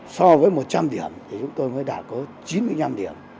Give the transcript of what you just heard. so với một trăm linh điểm thì chúng tôi mới đã có chín mươi năm điểm